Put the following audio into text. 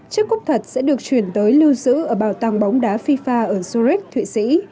chiếc cúp thật sẽ được chuyển tới lưu giữ ở bảo tàng bóng đá fifa ở zurich thụy sĩ